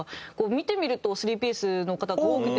見てみると３ピースの方が多くて。